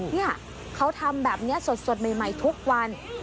นี่เขาทำแบบนี้สดใหม่ทุกวัน